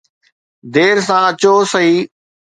دير سان اچو صحيح.